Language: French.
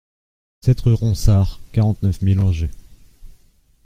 sept rUE RONSARD, quarante-neuf mille Angers